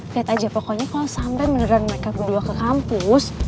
liat aja pokoknya kalo sampe beneran mereka berdua ke kampus